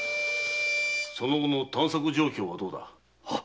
その後の探索状況はどうだ？